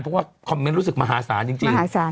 เพราะว่าคอมเมนต์รู้สึกมหาศาลจริง